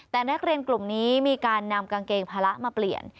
แต่นักเรียนกลุ่มนี้มีการนำกางเกงภาระมาเปลี่ยน